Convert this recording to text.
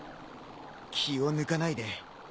気を抜かないで。